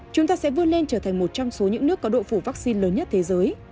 chúng ta sẽ vươn lên trở thành một trong số những nước có độ phủ vaccine lớn nhất thế giới